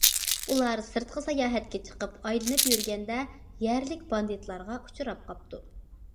ئۇلار سىرتقا ساياھەتكە چىقىپ ئايلىنىپ يۈرگەندە يەرلىك باندىتلارغا ئۇچراپ قاپتۇ.